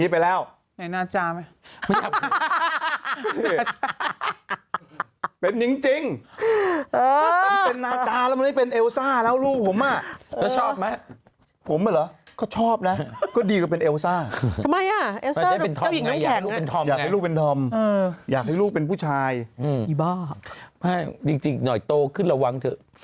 พี่แม่เอารู้ไหมอ๋อใช่ไอ้นี่คือมันต้องใส่รหัส